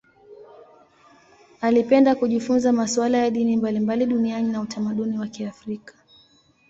Alipenda kujifunza masuala ya dini mbalimbali duniani na utamaduni wa Kiafrika.